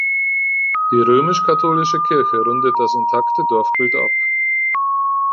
Die römisch-katholische Kirche rundet das intakte Dorfbild ab.